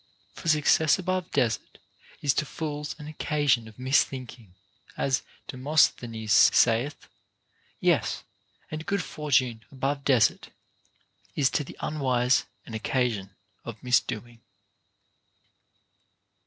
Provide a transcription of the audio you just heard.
For suc cess above desert is to fools an occasion of misthinking, as Demosthenes* saith ; yes, and good fortune above desert is to the unwise an occasion of misdoing.